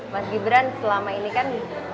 mas gibran selama ini kan